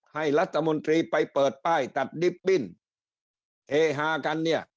ให้รัฐมนตรีไปเปิดป้ายตัดดิบบิ้นเฮฮากันเนี่ย